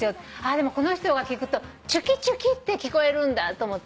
でもこの人が聞くとチュキチュキって聞こえるんだと思って。